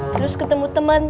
terus ketemu temen